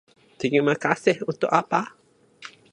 Terima kasih untuk apa?